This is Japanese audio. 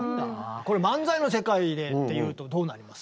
これ漫才の世界でっていうとどうなります？